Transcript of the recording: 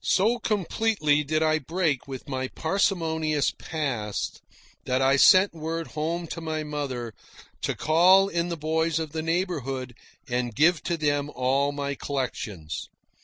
So completely did I break with my parsimonious past that I sent word home to my mother to call in the boys of the neighbourhood and give to them all my collections.